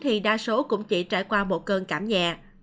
thì đa số cũng chỉ trải qua một cơn cảm nhẹ